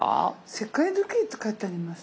「世界時計」って書いてあります。